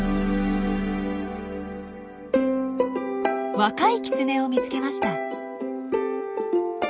若いキツネを見つけました。